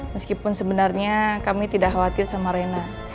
meskipun sebenarnya kami tidak khawatir sama rena